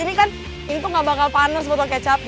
ini kan ini tuh gak bakal panas botol kecap